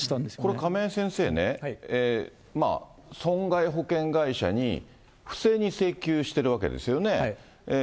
これ亀井先生ね、損害保険会社に不正に請求してるわけですよね。